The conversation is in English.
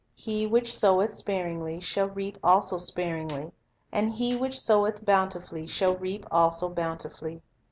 "He which soweth sparingly shall reap also sparingly; and he "Freeiy which soweth bountifully shall reap also bountifully."